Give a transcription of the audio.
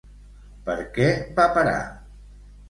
Per què va parar?